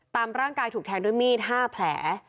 ตามร่างกายถูกแทงด้วยมีด๕แผล